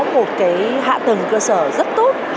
một hạ tầng cơ sở rất tốt